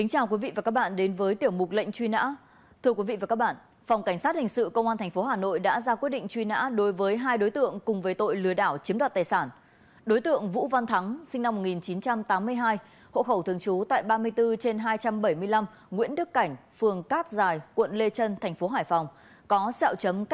hãy đăng ký kênh để ủng hộ kênh của chúng mình nhé